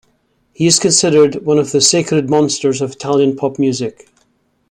He is considered one of the "sacred monsters" of Italian pop music.